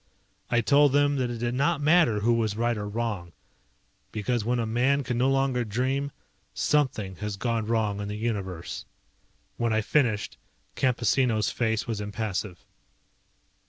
I told them that it did not matter who was right or wrong, because when a man can no longer dream something has gone wrong in the Universe. When I finished, Campesino's face was impassive.